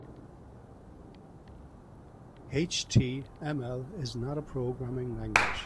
HTML is not a programming language.